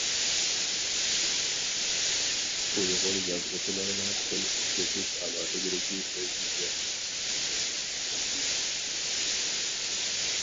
ئۇيغۇر يازغۇچىلارنىڭ تىل ئىشلىتىش ئالاھىدىلىكى ئۆزگىچە.